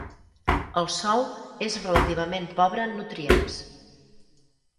El sòl és relativament pobre en nutrients.